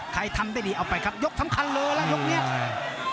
ใครทำได้ดีเอาไปครับยกสำคัญเลยละยกนี้